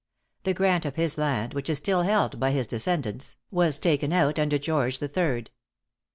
The grant of his land, which is still held by his descendants, was taken out under George the Third.